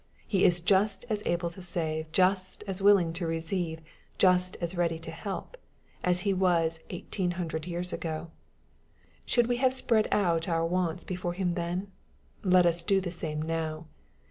He is just as able to save, just as willing to receive, just as ready to help, as He was 1800 years ago. Should we have spread out our wants before Him then ? Let us do the same now.